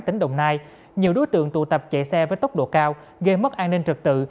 tỉnh đồng nai nhiều đối tượng tụ tập chạy xe với tốc độ cao gây mất an ninh trật tự